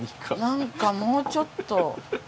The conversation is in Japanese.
なんかもうちょっと。